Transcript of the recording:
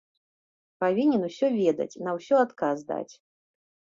Павінен усё ведаць, на ўсё адказ даць.